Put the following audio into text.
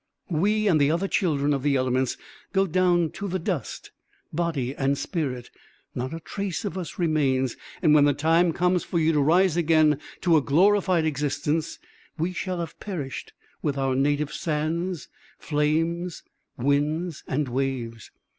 We, and the other children of the elements, go down to the dust, body and spirit; not a trace of us remains and when the time comes for you to rise again to a glorified existence, we shall have perished with our native sands, flames, winds, and waves.